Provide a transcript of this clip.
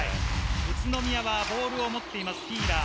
宇都宮はボールを持っています、フィーラー。